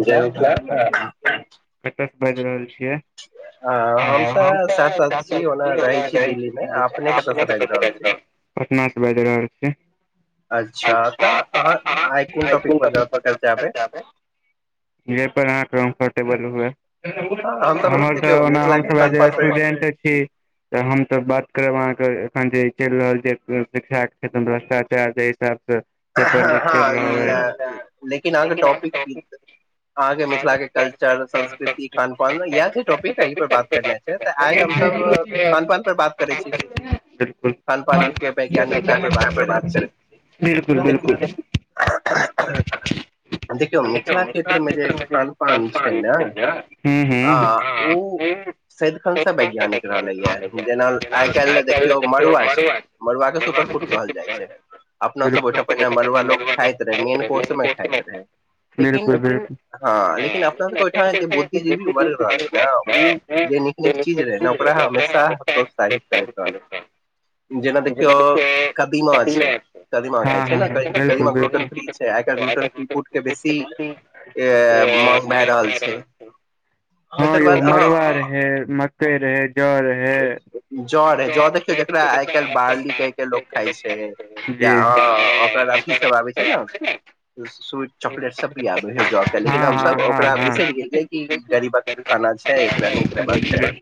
जय मिथिला कतयसँ बाजि रहल छियै। हम तऽ रहै छी दिल्ली आ अपने क [unintelligible] पटना से बाजि रहल छियै अच्छा तऽ अहाँ आय कोन टॉपिक पर गप्प कर चाहबै। जाहि पर अहाँ कम्फर्टेबल हुए हमर तऽ ओना हमसभ स्टूडेंट छी तऽ हम तऽ बात करब अहाँके एखन जे चलि रहल छै शिक्षा के क्षेत्र मे भ्रष्टाचार से [unintelligible] अहाँके मिथिला कल्चर संस्कृति खान पान इएह जे टॉपिक है एहिपर बात करने छै तऽ आइ हमसब खान पान पर बात करै छी खान पान के वैज्ञानिकता पर बात करै छी बिल्कुल बिल्कुल [unintelligible] देखियौ मिथिला क्षेत्रमे जे खान पान छै नऽ आ ऊ सदिखन से वैज्ञानिक रहले ये जेना आई काल् ले देखियो मड़ुआ छै मड़ु के सुपर फूड कहल जाइ छै अपना सब ओएटा पहिने मरुआ लोग खाइत रहे मेन कोर्स में खाइत रहे बिल्कुल बिल्कुल हँ लेकिन अपना सबके ओहिठाम जे बुद्धिजीवी वर्ग रहलै ने ओ जे नीक चीज रहै ने ओकरा हमेशा प्रोत्साहित करैत रहलै जेना देखियौ कदीमा छै कदीमा खााय छै ने कदीमा ग्लूटन फ्री आइ काल ग्लूटन फ्री फुट के बेसी अ माग भए रहल छै हँ यौ मड़ुआ रहै मकई रहै जौ रहै जौ रहे जौ देखियौ जेकरा आइ काल्हि बारली कह कऽ लोक खाइ छै या आ ओकर अथी सब आबै छै नऽ स चॉकलेटसभ भी आबै हैय जौ के लेकिन हमसभ ओकरा बिसरि गेलियै कि गरीबक खाना छै एकरा नहि खबाक चाही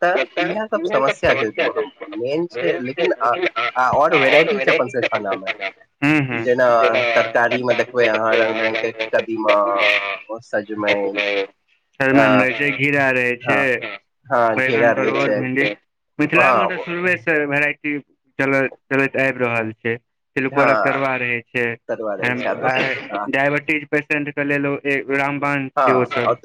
तऽ इएह सब समस्या छै हम मेन छै लेकिन आ ओर वेराइटी छैय अपन से खाना मे जेना तरकारी मतब देखबै यहा रंग बिरंग के कदीमा सजमेन सजमेन रहे छै घेरा रहे छै बैगन परर भ मिथिलामे तऽ शुरूएसँ भेराइटी चल चलैत आबि रहल छैय तिलकोरक तरुआ रहे छै डायबिटीज पेशेंट [unintelligible] लेल राम बाण छिय ओ सब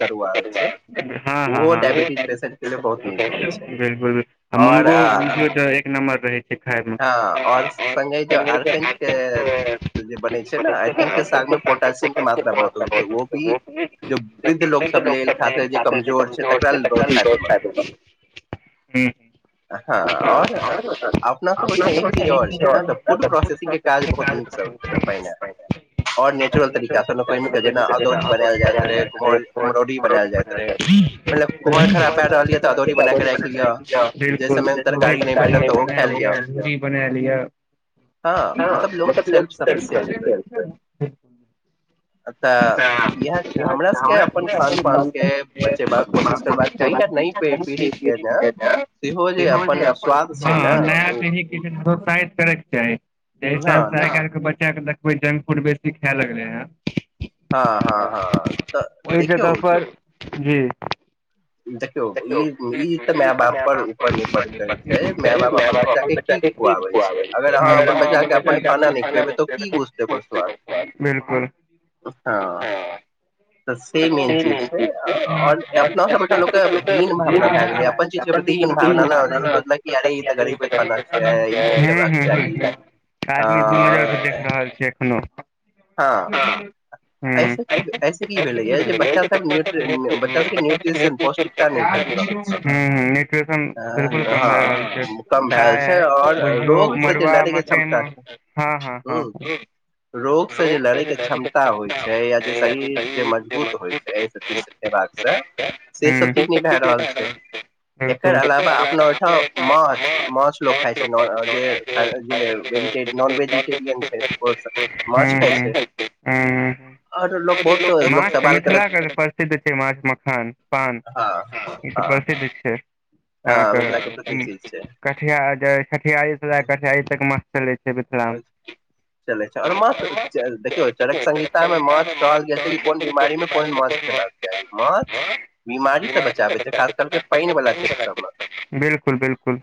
तरूआ होय छै हँ हँ हँ बिल्कुल बिल्कुल आ मुनगो एक नम्बर वेराइ से खाय मऽ और संगे जे अरकंज के जे बने छै ने अरकंच के साग मे पोटासियम के मात्रा बहुत होइ छै ओ भी जो वृद्ध लोक सब लेल खास जे कमजोर छै तकरा लेल बहुत फायदेमंन्द छै हँ आओर अपना सब ओय ठाम एक [unintelligible] [unintelligible] [unintelligible] [unintelligible] [unintelligible] [unintelligible] सेहो जे अपन हँ नया पीढ़ी के प्रोत्साहित करैके चाही जा हिसाबसँ आइ काइल केँ बच्चा कऽ देखबै जंक फूड बेसी खायए लगलै हे। [unintelligible] ओहि जगह पर जी। [unintelligible] [unintelligible] बिल्कुल। [unintelligible] तऽ सेमन चीज छै ओर अपना सब [unintelligible] चीज के [unintelligible] भावना ने सोच यरे ई तऽ गरीब के खाना छै ई नहि खेबाक चाही। आदमी दू [unintelligible] देख रहल छैै एखनो। [unintelligible] ? [unintelligible] [unintelligible] हँ हँ [unintelligible] रोग स जे लड़ैके क्षमता होइ छै या जे शरीर जे मजबूत होइ छै एहि सब चीज से खेबाक से से सब चीज नै भए रहल छै। एकर अलावा अपना ओइठाम माछ। माछ लोकोग खाइ छैेज [unintelligible] नॉन वेजिटेरियन छै। [unintelligible] खाए छै [inaudible] और लोक [unintelligible] मिथिलाके प्रसिद्ध छै माछ मखान पान। ई तऽ प्रसिद्ध छै। [unintelligible] चलै छै मिथिलामे। चलै छै और माछ देखियौ चरक संहिता में माछ कहल जाइ छै कि। कोन बीमारी में कोन माछ खेबाक चाही माछ। बीमारी से बचाबे छै खास कर के पाइन वला क्षेत्र [unintelligible] बिल्कुल बिल्कुल